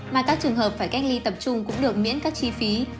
mà các trường hợp phải cách ly tập trung cũng được miễn các chi phí